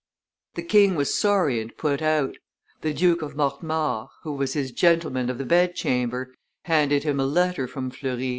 The king was sorry and put out; the Duke of Mortemart, who was his gentleman of the bed chamber, handed him a letter from Fleury.